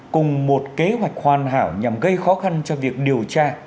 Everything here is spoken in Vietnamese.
cùng một kế hoạch hoàn hảo nhằm gây khó khăn cho việc điều tra